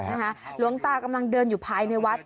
หลวงตากำลังเดินอยู่ภายในวัด